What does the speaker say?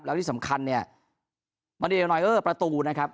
แล้วที่สำคัญเนี่ยมาดีเอลอยเออร์ประตูนะครับ